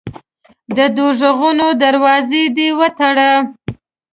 د دوږخونو دروازې دي وتړه.